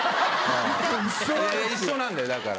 一緒なんだよだから。